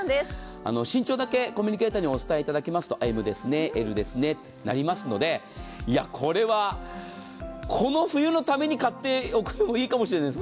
身長だけコミュニケーターにお伝えいただけますとＭですね、Ｌですねとなりますのでこれはこの冬のために買っておくのもいいかもしれないですね。